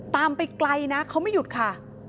ไปไกลนะเขาไม่หยุดค่ะ